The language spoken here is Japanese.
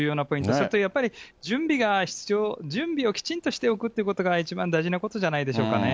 それとやっぱり、準備をきちんとしておくということが、一番大事なことじゃないのでしょうかね。